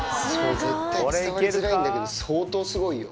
絶対伝わりづらいんだけど、相当すごいよ。